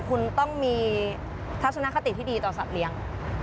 คุณต้องมีทัศนคติที่ดีต่อสัตว์เลี้ยง